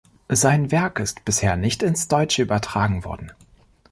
Sein Werk ist bisher nicht ins Deutsche übertragen worden.